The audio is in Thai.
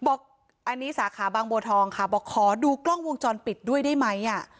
บอกอันนี้สาขาบางบัวทองค่ะบอกขอดูกล้องวงจรปิดด้วยได้ไหม